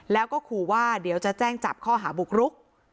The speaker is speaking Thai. แล้วก็ขู่ว่าเดี๋ยวจะแจ้งจับข้อหาบุกรุก